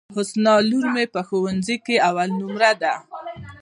حسنی لور مي په ښوونځي کي اول نمبر ده.